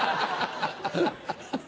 ハハハ！